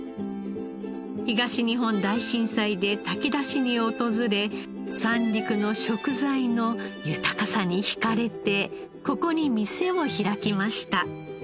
東日本大震災で炊き出しに訪れ三陸の食材の豊かさに引かれてここに店を開きました。